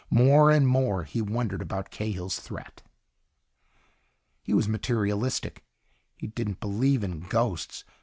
More and more, he wondered about Cahill's threat. He was materialistic. He didn't believe in ghosts.